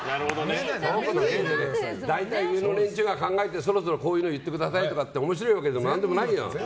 大体、上の連中が考えてそろそろこういうの言ってくださいっていうのは面白いわけでも何でもないよ。